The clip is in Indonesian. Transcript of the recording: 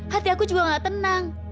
hati aku juga gak tenang